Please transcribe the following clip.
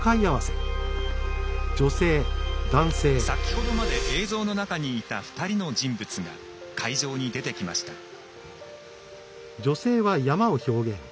先ほどまで映像の中にいた２人の人物が会場に出てきました。